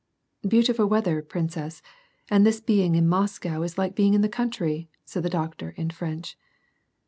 *• Beautiful weather, princess, and this being in Moscow is like being in the country," said the doctor, in French.